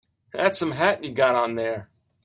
That's some hat you got on there.